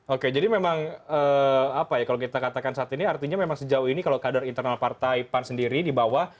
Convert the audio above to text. oke jadi memang apa ya kalau kita katakan saat ini artinya memang sejauh ini kalau kader internal partai pan sendiri di bawah